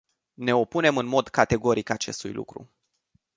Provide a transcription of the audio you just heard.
Ne opunem în mod categoric acestui lucru!